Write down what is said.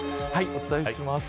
お伝えします。